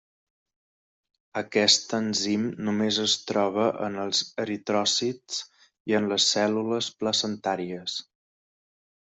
Aquest enzim només es troba en els eritròcits i en les cèl·lules placentàries.